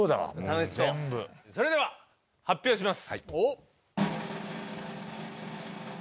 それでは発表します。